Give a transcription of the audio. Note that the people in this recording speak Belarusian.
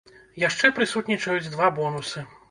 Яшчэ прысутнічаюць два бонусы.